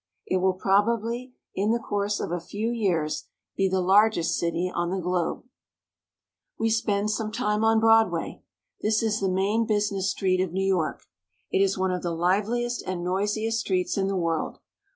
It will probably, in the course of a few years, be the largest city on the globe. Manhattan Island. BROADWAY. 6i We spend some time on Broadway. This is the main business street of New York. It is one of the hveUest and noisiest streets in the world.